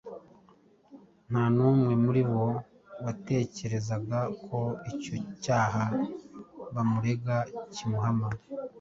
Nta n’umwe muri bo watekerezaga ko icyo cyaha bamurega kimuhama;